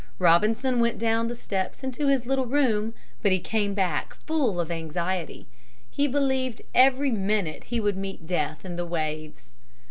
Robinson went down the steps into his little room, but he came back full of anxiety. He believed every minute he would meet death in the waves.